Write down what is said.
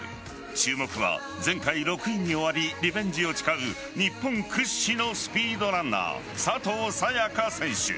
注目は、前回６位に終わりリベンジを誓う日本屈指のスピードランナー佐藤早也伽選手。